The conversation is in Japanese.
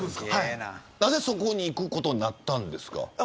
なぜそこに行くことになったんですか。